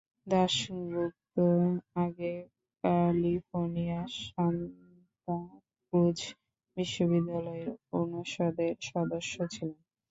দাশগুপ্ত আগে California, Santa Cruz বিশ্ববিদ্যালয়ের অনুষদের সদস্য ছিলেন।